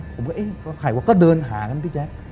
ผมก็เอ๊ะใครวะก็เดินหากันพี่แจ๊ค